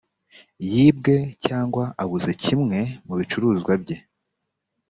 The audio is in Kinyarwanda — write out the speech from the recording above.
yibwe cyangwa abuze kimwe mu bicuruzwa bye